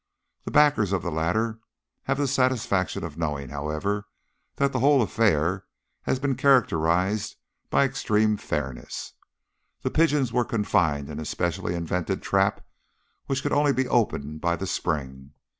The backers of the latter have the satisfaction of knowing, however, that the whole affair has been characterised by extreme fairness. The pigeons were confined in a specially invented trap, which could only be opened by the spring.